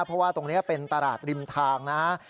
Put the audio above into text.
เพราะว่าตรงนี้เป็นตลาดริมทางนะ